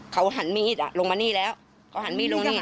เขาหันมีดอ่ะลงมานี่แล้วเขาหันมีดลงมานี่